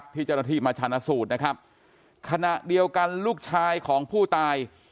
ที่เจ้าหน้าที่มาชนะสูตรนะครับขณะเดียวกันลูกชายของผู้ตาย